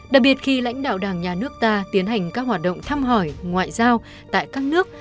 đặc biệt khi lãnh đạo đảng nhà nước ta tiến hành các hoạt động thăm hỏi ngoại giao tại các nước